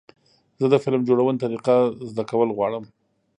زه د فلم جوړونې طریقه زده کول غواړم.